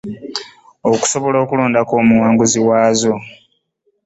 Okusobola okulondako omuwanguzi waazo.